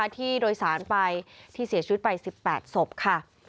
ที่โดยสารไปที่เสียชีวิตไป๑๘ศพค่ะ